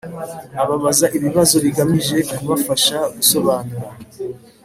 Ababaza ibibazo bigamije kubafasha gusobanura